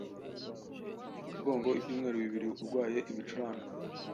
Wari umaze umugongo ibyumweru bibiri urwaye ibicurane.